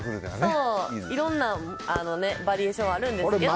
いろんなバリエーションがあるんですけど。